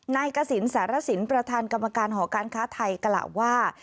นายกระสินสารสินประธานกรรมการหอการค้าไทยกล่าวว่า